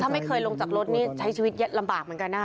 ไม่เคยลงจากรถนี่ใช้ชีวิตลำบากเหมือนกันนะคะ